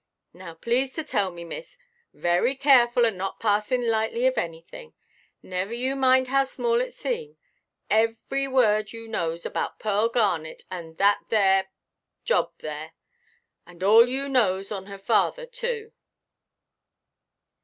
Now please to tell me, miss—very careful, and not passinʼ lightly of anything; never you mind how small it seem—every word you knows about Pearl Garnet and that there—job there; and all you knows on her father too."